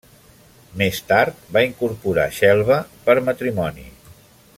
Més tard va incorporar Xelva per matrimoni.